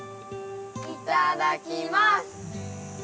いただきます！